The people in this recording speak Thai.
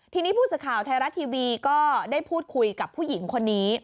ทีนี้ผู้สื่อข่าวไทยรัฐทีวีก็ได้พูดคุยกับผู้หญิงคนนี้